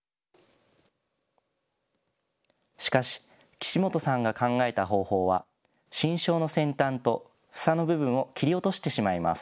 しかし岸本さんが考えた方法は新梢の先端と房の部分を切り落としてしまいます。